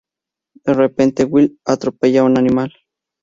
De repente Will atropella a un animal.